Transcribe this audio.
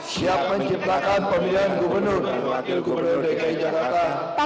siap menciptakan pemilihan gubernur wakil gubernur dki jakarta